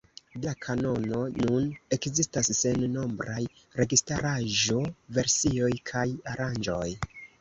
De la kanono nun ekzistas sennombraj registraĵoj, versioj kaj aranĝoj.